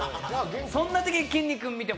そんなときにきんに君見て。